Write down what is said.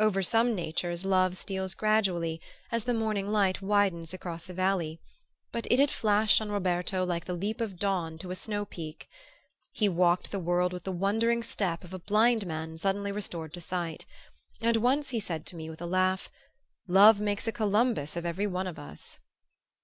Over some natures love steals gradually, as the morning light widens across a valley; but it had flashed on Roberto like the leap of dawn to a snow peak. He walked the world with the wondering step of a blind man suddenly restored to sight; and once he said to me with a laugh: "Love makes a Columbus of every one of us!"